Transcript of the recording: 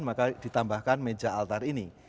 maka ditambahkan meja altar ini